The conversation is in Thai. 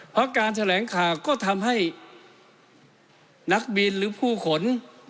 เพราะการแถลงข่าวก็ทำให้นักบินหรือผู้ขน